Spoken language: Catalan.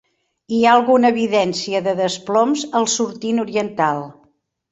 Hi ha alguna evidència de desploms al sortint oriental.